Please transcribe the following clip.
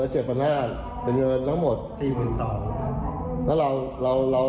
จังหวัดราย